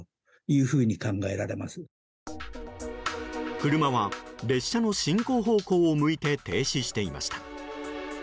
車は列車の進行方向を向いて停止していました。